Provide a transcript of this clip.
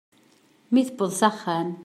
Mi tewweḍ s axxam.